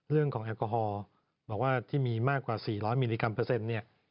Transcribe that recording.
เรื่องของแอลกอฮอล์บอกว่าที่มีมากกว่า๔๐๐มิลลิกรัมเปอร์เซ็นต์